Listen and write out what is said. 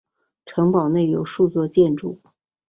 城堡内有数座建筑。